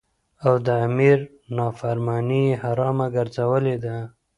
او د امیر نافرمانی یی حرامه ګرځولی ده.